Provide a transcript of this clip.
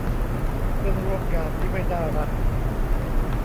เพื่อนร่วมงานที่ไม่น่ารัก